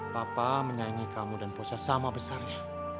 papa menyayangi kamu dan posya sama besarnya